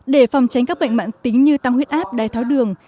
để phòng tránh các bệnh mạng tính như tăng huyết áp đai tháo đường